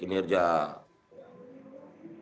kinerja dari kekuat kualitas